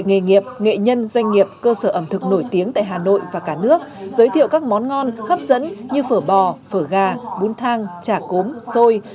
nghề nghiệp nghệ nhân doanh nghiệp cơ sở ẩm thực nổi tiếng tại hà nội và cả nước giới thiệu các món ngon hấp dẫn như phở bò phở gà bún thang trà cốm xôi